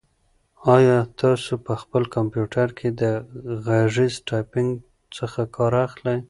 آیا تاسو په خپل کمپیوټر کې د غږیز ټایپنګ څخه کار اخلئ؟